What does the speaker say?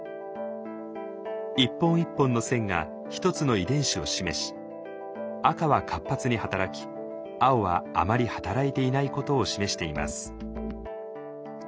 一本一本の線が一つの遺伝子を示し赤は活発に働き青はあまり働いていないことを示しています。